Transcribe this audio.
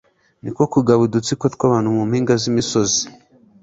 ni ko kugaba udutsiko tw'abantu mu mpinga z'imisozi